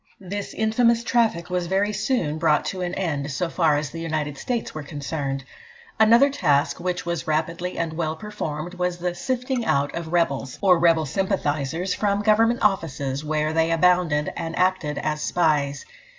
This infamous traffic was very soon brought to an end, so far as the United States were concerned. Another task, which was rapidly and well performed, was the "sifting out" of rebels, or rebel sympathisers, from Government offices, where they abounded and acted as spies.